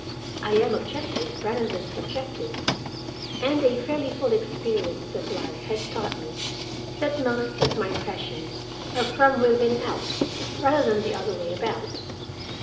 I am objective rather than subjective, and a fairly full experience of life has taught me that most of my impressions are from within out rather than the other way about.